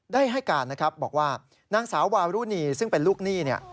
ได้ให้การนะครับบอกว่านางสาววารุณีซึ่งเป็นลูกหนี้เนี่ย